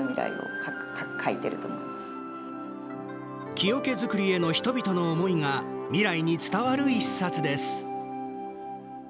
木おけづくりへの人々の思いが未来に伝わる１冊です。